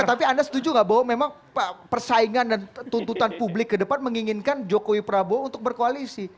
tapi anda setuju nggak bahwa memang persaingan dan tuntutan publik ke depan menginginkan jokowi prabowo untuk berkoalisi